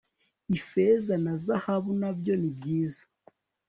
ifeza na zahabu nabyo nibyiza